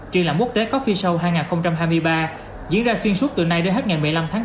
triển lãm quốc tế coffie show hai nghìn hai mươi ba diễn ra xuyên suốt từ nay đến hết ngày một mươi năm tháng bốn